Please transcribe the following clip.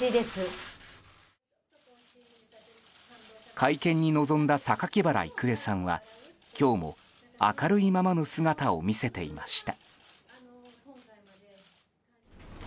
会見に臨んだ榊原郁恵さんは今日も、明るいままの姿を見せていました。